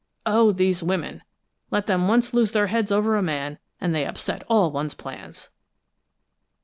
Oh, these women! Let them once lose their heads over a man, and they upset all one's plans!"